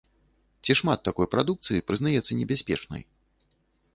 Ці шмат такой прадукцыі прызнаецца небяспечнай?